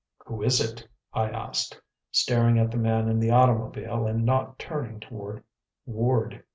"Who is it?" I asked, staring at the man in the automobile and not turning toward Ward.